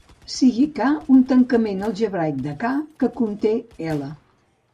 Sigui "K" un tancament algebraic de "K" que conté "L".